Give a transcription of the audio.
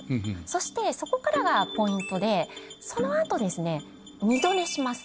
そしてそこからがポイントでその後二度寝します。